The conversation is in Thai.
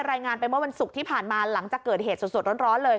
รายงานไปเมื่อวันศุกร์ที่ผ่านมาหลังจากเกิดเหตุสดร้อนเลย